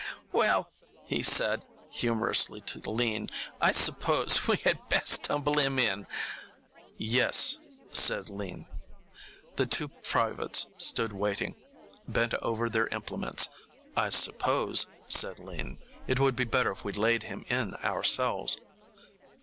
"Well," he said, humorously to Lean, "I suppose we had best tumble him in." "Yes," said Lean. The two privates stood waiting, bent over their implements. "I suppose," said Lean, "it would be better if we laid him in ourselves."